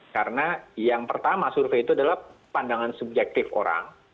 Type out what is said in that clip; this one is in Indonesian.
karena yang pertama survei itu adalah pandangan subjektif orang